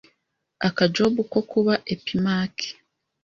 aka jobu ko kuba Epimaki